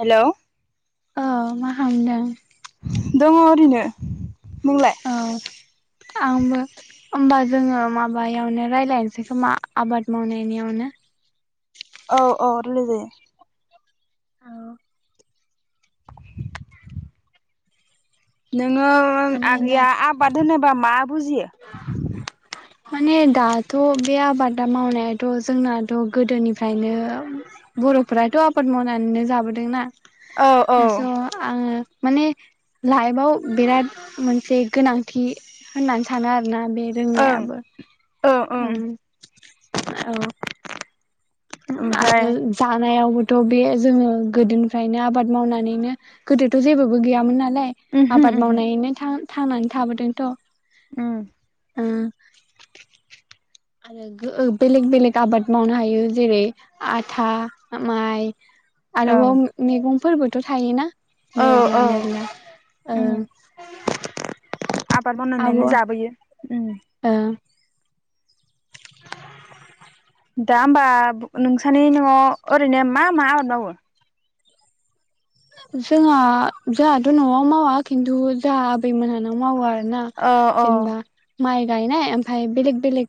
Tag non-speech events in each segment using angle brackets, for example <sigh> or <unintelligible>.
Hello औ मा खालामदों? दङ ओरैनो । औ आंबो होमबा जोङो माबायावनो रायलायनोसै खोमा आबाद मावनायनियावनो । औ औ रायलाय जायो । नोङो माने दा आगैया आबाद होनोबा मा? बुजियो? माने दाथ' बे आबादा मावनायाथ' जोंनाथ' गोदोनिफ्रायनो बर'फोराथ' आबाद मावनानैनो जाबोदोंना औ औ । ज' आङो माने लाइपआव बिराद मोनसे गोनांथि होनना सानो ना बे रोंनायाबो औ ओं उम औ ओमफ्राय आरो जानायावबो थ' बे जोङो गोदोनिफ्रायनो आबाद मावनानैनो गोदोथ' जेबोबो गैयामोन आरो नालाय उमहो आबाद उमहो मावनानैनो थां थांनानै थाबोदोंथ'। ओम। आरो बेलेग बेलेग आबाद मावनो हायो। जेरै आथा माइ ओं आरोबाव मेगं फोरबोथ' थायोना। औ मेरला औ मेरला उम ओं आबाद मावनानै जाबोयो। उम ओं। दा होनबा नोंसानि न'आव ओरैनो मा मा आबाद मावो? जोंहा जोंहाथ' न'आव मावा खिन्थु जोंहा आबै मोनहानाव मावो आरो। ना अ अ जेनबा माइ गायनाय ओमफ्राय बेलेग बेलेग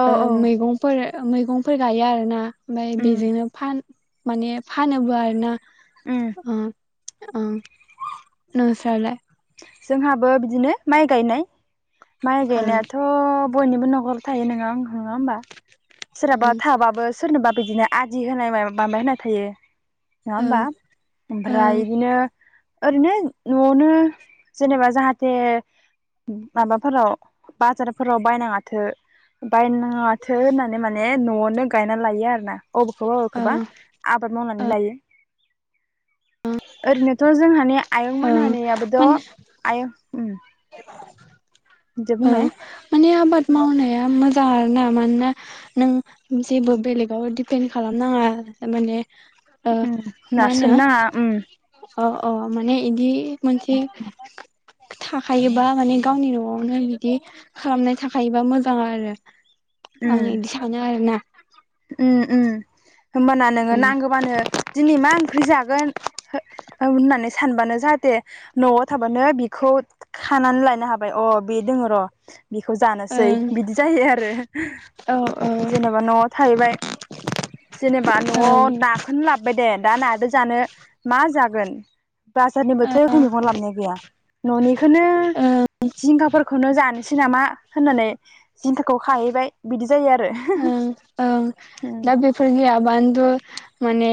औ ओ औ मैगंफोर मैगंफोर गायो आरो ना। ओमफाय उम बेजोंनो फान माने फानोबो आरो ना। उम अ नोंस्रालाय? जोंहाबो बिदिनो माइ गायनाय। माइ ओं गायनायाथ' बयनिबो न'खराव थायो नङा आं नङा होमबा सोरहाबा थाबाबो सोरनोबा बिदिनो आदि होनाय माबाया होनाय थायो। नङा ओं होमबा ओं ओमफ्रायनो। ओरैनो न'आवनो जेनेबा जाहाथे माबाफोराव बाजारफोराव बायनांथो। बायनांथो होननानै माने न'आवनो गायना लायो आरो ना। अबेखौबा अबेखौबा ओं आबाद मावनानै लायो। ओरैनोथ' जोंहानि ओं मान आयंमोनहानियाबोथ' आयौ ओम । जे ओं बुंनाय माने आबाद मावनाया मोजां आर ना मानोना नों जेबो बेलेगाव दिडपेन्ड खालामनाङा माने ओ उम मा होनो नारसोन नाङा उम। अ अ माने एदि। मोनसे। थाखायोबा माने गावनि न'आवनो बिदि खालामनाय थाखायोबा मोजां आरो। आं उम इदि सानो आरोना। उम उम। होमबाना नोङो नांगौबानो दिनै मा ओंख्रि जागोन हो औ होननानै सानबानो जाहाथे न'आव थाबानो बिखौ खानानै लायनो हाबाय अ बे दङ र'। बेखौ जानोसै ओं बिदि जायो आरो औ जेनेबा न'। थाहैबाय जेनेबा ओं न'आव नाखोननो लाबोबाय दे दा नादो जानो। मा जागोन? बाजारनि बोथोरनिबोथ' एख मैगं लाबनाया गैया। न'नि। खोनो जिंखाफोरखौनो जानो सि नामा होननानै जिंखाखौ खाहैबाय बिदि जायो आरो। ओं ओं दा बेफोर गैयाबानोथु। माने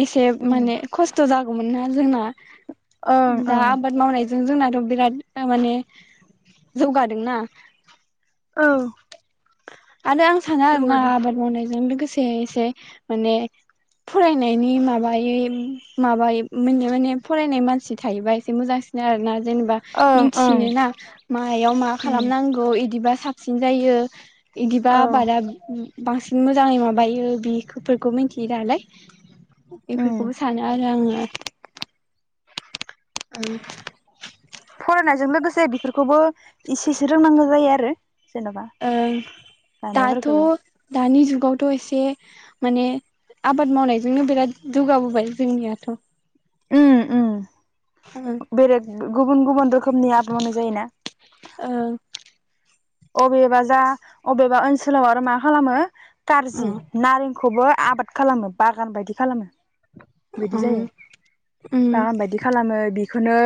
एसे माने खस्थ' जाग गौमोन ना जोंना ओं दा ओं आबाद मावनाय। जों जोंनाथ' बिराद माने जौगादोंना? औ। आरो आं सानो आरो ना जौगादों आबाद मावनायजों लोग लोगोसे एसे माने फरायनायनि माबायै माबायै मोन माने फरायनाय मानसि थायोबा एसे मोजांसिन आरोना। जेनेबा ओं ओं मिथियो ना मायाव मा खालामनांगौ इदिबा साफ सिन जायो। इदिबा बाराब बांसिन मोजाङै माबायो बेफोरखौ मिथियो दालाय। औ बेफोरखौबो सानो आरो आङो। औ। फरायनायजों लोगोसे बेफोरखौबो इसे इसे रोंनांगौ जायो आरो। जेन'बा ओं दाथ'। गायनायफोरखौबो दानि जुगावथ' एसे माने आबाद मावनायजोंनो बिराद जौगाबोबाय जोंनियाथ'। बेरेग गुबुन गुबुन रोख खोमनि आब्र <unintelligible> जायोना। ओ अबेबा जा अबेबा ओनसोलाव आरो मा खालामो ओ खारजि नारेंखौबो आबाद खालामो बागान बायदि खालामो। बिदि ओ जायो उम बागान बायदि खालामो बेखौनो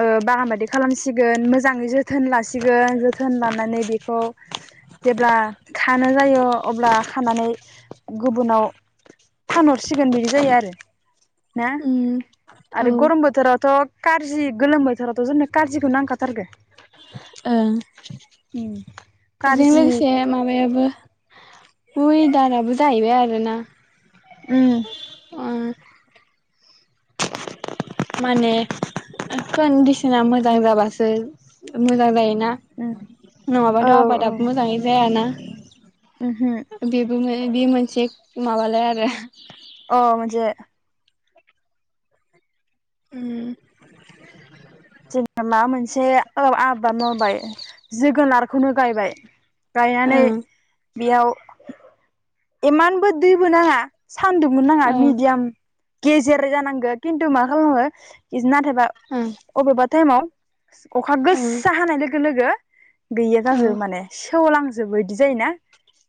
ओ बागान बायदि खालामसिगोन मोजाङै जोथोन लासिगोन जोथोन ला नै बेखौ जेब्ला खानो जायो अब्ला खानानै गुबुनाव फानहरसिगोन बिदि जायो आरो। ना उम औ आरो गरम बोथोरावथ' खारजि गोलोम बोथोरावथ' जोंनो खारजिखौ नांखाथारगो। ओं उम बेजों कारजि लोगोसे माबायाबो उइ दाराबो जाहैबाय आर रोना उम माने कोन्दिसोना मोजां जाबासो मोजां जायो। ना उम औ नङाबाथ' औ आबादाबो मोजाङै जायाना‌। उमहो बेबो मे बे मोनसे माबालाय आरो। अ मोनसे उम माबा मोनसे औ आबाद मावबाय जोगोनारखौनो गायबाय गायनानै ओं बेयाव इमानबो दैबो नाङा। सान्दुंबो नाङा ओं मिडियाम गेजेर जानांगो खिन्थु मा खालामो <unintelligible> ना <unintelligible> बा बा टाइमाव अखा ओं गोस्सा हानाय लोगो लोगो गैया ओं जाजोबो माने सेवलां जोबो इदि जायोना?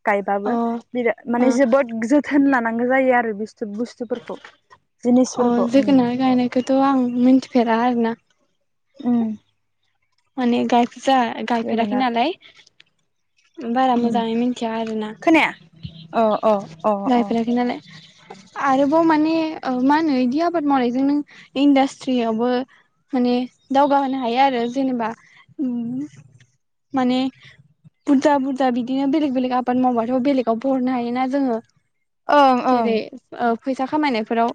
गायबाबो औ बिरा अ माने जोबोद जोथोन लानां गो जायो आरो बि अह उम जोगोनार गायनायखोथ' आं मिथिफेरा आरोना। उम। माने गाय जा गायफेराखै जोगोनार नालाय बारा उम मोजाङै मिथिया आरो ना खोनाया अ अ अ अ गायफेराखै नालाय। आरोबाव माने ओ मा होनो इदि आबाद मावनायजों नों इन्डास्ट्रियावबो माने दावगाहोनो हायो आरो। जेनेबा माने बुरजा बुरजा बिदिनो बेलेग बेलेग आबाद मावबाथ' बेलेगावबो हरनो हायोना जोङो। ओं ओं जेरै ओब फैसा खामायनायफोराव।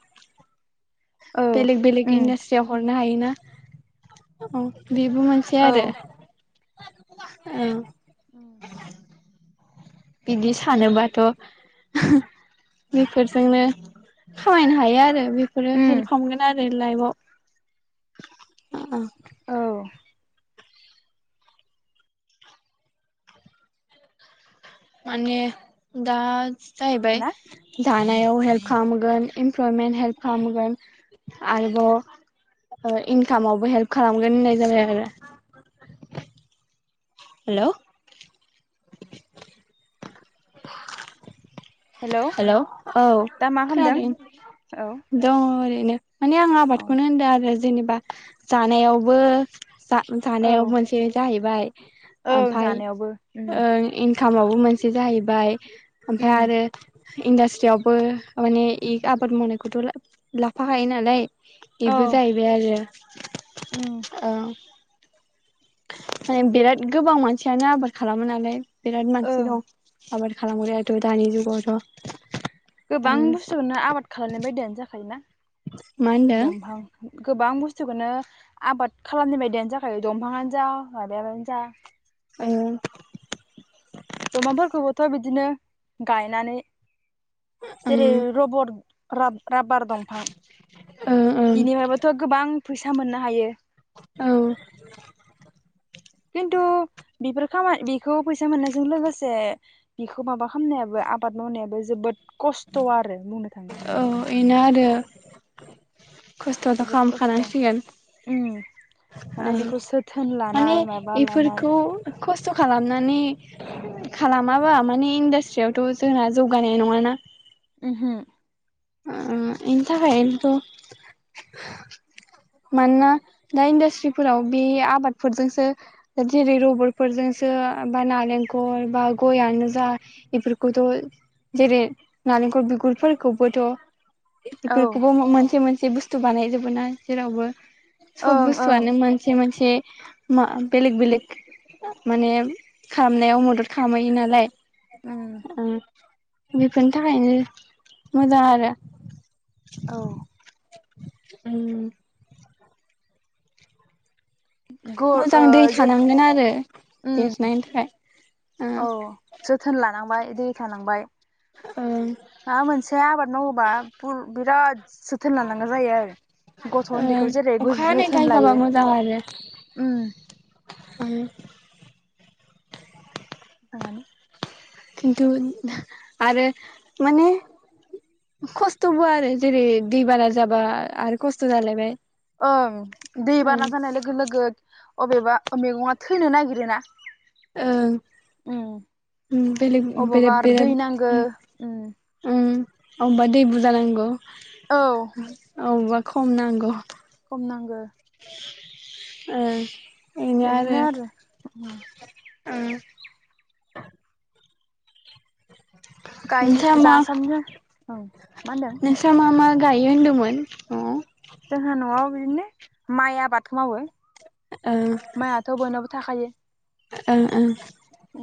औ बेलेग बेलेग उम इन्डास्ट्रियाव हर नो हायोना। अह। बेबो मोनसे औ आरो। औ। बिदि सानोबाथ' बेफोरजोंनो खामायनो हायो आरो बेफोरो उम हेल्प खामगोन आरो लाइफआव ओं। औ माने दा जाहैबाय ना दानायाव हेल्प खालामगोन इमप्लयमेन्ट हेल्प खालामगोन आरोबाव इनकामावबो हेल्प खालामगोन होननाय जाबाय आरो। हेलौ? हेलौ? औ दा मा खालामदों खोनादों, औ दङ ओरै नो। माने आं अ आबादखौनो होनदो आरो जेनेब बा जानायावबो औ जा-जानायावबो मोनसे जाहैबाय। ओं ओमफाय जानायावबो उम ओं इन खामावबो मोनसे जाहैबाय। ओमफाय उम आरो इन्डास्ट्रियावबो माने इ उम आबाद मावनायखौथ' लाफाखायो नालाय, औ इबो जाहैबाय उम आरो। औ। माने बेराद गोबां मानसियानो आबाद खालामो नालाय। बिराद मानसि ओं दं आबाद खालामग्रायाथ' दानि जुगावथ'। गोबां ओं बुस्थुनो आबाद खालामनाय बायदियानो जाखायोना। मा होनदों दमफां। गोबां बुस्थुखौनो आब ओ। दमाफोरखौबोथ' बिदिनो गायनानै। जेरै ओं रबट। राब राबार दंफां ओ ओं इनिफ्रायबोथ' गोबां फैसा मोननो हायो। औ। खिन्थु बेफोर खामानि बेखौ फैसा मोननायजों लोगोसे बेखौ माबा खालामनायाबो आबाद मावनायाबो जोबोद। खस्थ' आरो बुंनो थाङोबा। बेनो आरो। खस्थ'थ' जोबोद खस्थ' खालामखानांसिगोन उम ओ माने बेखौ जोथोन माने लानाय माबा लानाय इफोरखौ खस्थ' खालामनानै खालामाबा माने इन्डास्ट्रियावथ' जोंना जौगानाय नङाना। उमहो ओ इनि थाखायथ' मानोना दा इन्डास्ट्रिफोराव बे आबादफोरजोंसो जेरै रबरफोरजोंसो बा नालेंखल बा गयानो जा बेफोरखौथ' जेरै नालेंखल बिगुरफोरखौ बोथ औ इखौबो म मोनसे मोन एसे बुस्थु बानायजोबोना जेरावबो। सब ओं ओं बुसथुआनो मानसे मोन एसे मा बेलेग बेलेक माने खामनायाव मदद खामहैयो नालाय उम ओ। बेफोरनि थाखायनो मोजां आरो औ <inaudible> उम। गर ओ मोजां दै जे थानांगोन आरो उम देरनायनिफ्राय। औ जोथोन लानांबाय दै थानांबाय। ओं मा मोनसे आबाद मावोबा बिराद जोथोन लानांगौ जायो आरो गथ' ओ उन्दैखौ जेरै अखा हानाय जोथोन टाइगाबा लायो मोजां उम। आरो <unintelligible> खिन्थु आरो माने खस्थ'बो आरो जेरै दै बाना जाबा आरो खस्थ' जालायबाय। ओं दै ओं बाना जानाय लोगो लोगो। अबेबा मैगङा थैनो नागिरोना। ओं उम उम <inaudible> अबावबा आरो दै नांगो उम उम अबा दै बुजाानांगौ। औ औ। खम नांगौ। खम नांगौ। ओं। इदिनो आरो। ओं नोंस्रा गायनो मा जासामनो औ मा होनदों। नोंस्रा मा मा गायो होनदोंमोन अ। जोंहा न'आव बेदिनो। माइ आबाद मावो। ओं। माइआथ' बयनावबो थाखायो। ओं ओं।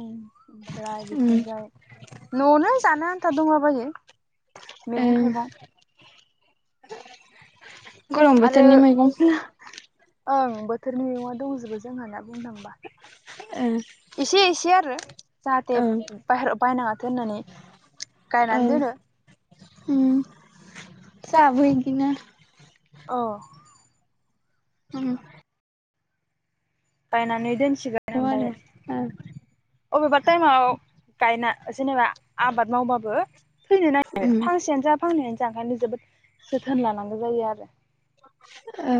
ओमफ्राय बिथिंजाय न'आवनो जानो आन्था दंलाबायो। <inaudible> मैगं ओं थाइगं। गरम आरो बोथोरनि मैगंफोर ओं बोथोरनि मैगङा दंजोबो जोंहाना। बुंनो थांबा ओं एसे एसे आरो जाहाथे ओं बाहेरायाव बायनाङाथों होननानै गायनानै ओं दोनो। उम जोंहाबो बिदिनो। अ उम। <inaudible> सिगोन ओमफ्राय आरो ओ अबेबा टाइमाव गायना जेनेबा आबाद मावबाबो थैनो नागेरो उम फांसेआनो जा <inaudible> जोबोद जोथोन लानांगौ जायो आरो। औ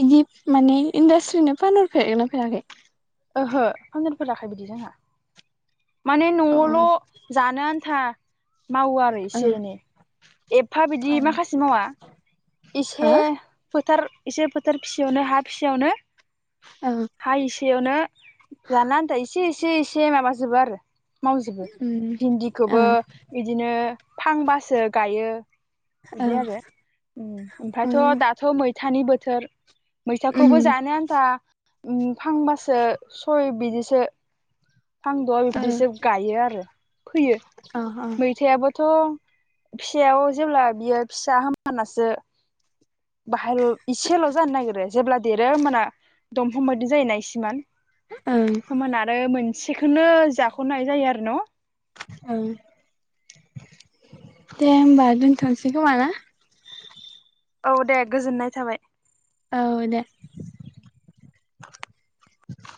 बिदि माने इन्डास्ट्रिनो फानहरफेरगोन फेराखै। ओहो फानजाफेराखै बिदि जोंहा। माने अ न'आवल' जानो आन्था। मावो आरो एसे अ एनै एफा बिदि ओ माखासे मावा एसे हा फोथार एसे फोथार फिसायावनो हा फिसियावनो। औ। बेयावनो जानो आन्था एसे एसे एसे माबा जोबो आरो। मावजोबो उम भिन्दिखौबो ओ इदिनो फांबासो गायो ओ बिदि आरो उम उम ओमफ्रायथ' दाथ' मै सानि बोथोर उम मैथाखौबो जानो आन्था उम फांबासो सय बिदि सो फांद'आ बिबायदिसो गायो आरो फैयो। ओ ओ थ' फिसायाव जेब्ला बियो फिसा होमबानासो बाहेल इसेल' जानो नागिरो जेब्ला देरो ओमबाना दंफां बायदि जायोना इसेमान ओं खोमोन आरो मोन सेखोनो जाख'नो हायै जायो आरो न? औ दे होनबा दोनथ'सै खोमा ना? औ दे गोजोननाय थाबाय। औ दे।